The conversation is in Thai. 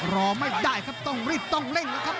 รอไม่ได้ครับต้องรีบต้องเร่งนะครับ